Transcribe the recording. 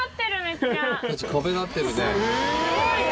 すごいね。